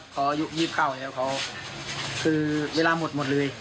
เขาเป็นวัยแก่นะครับเค้าอายุ๒๙แล้วเค้าคือเวลาหมดเลย